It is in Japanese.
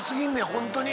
ホントに。